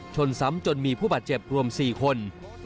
ชนซ้ำจนมีผู้บาดเจ็บรวม๔คน